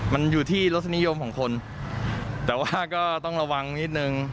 มันอยู่ที่รสนิยมของคนแต่ว่าก็ต้องระวังนิดนึง